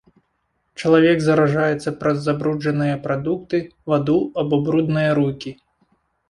Чалавек заражаецца праз забруджаныя прадукты, ваду або брудныя рукі.